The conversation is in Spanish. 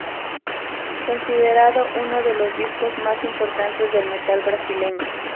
Considerado uno de los discos más importantes del metal brasileño.